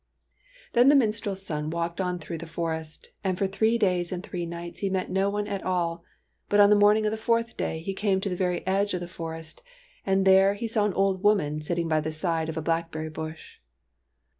Then the minstrel's son walked on through the forest; and for three days and three nights he met no one at all, but on the morning of the fourth day he came to the very edge of the forest, and there he saw an old woman sitting by the side of a blackberry bush.